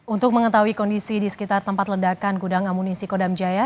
untuk mengetahui kondisi di sekitar tempat ledakan gudang amunisi kodam jaya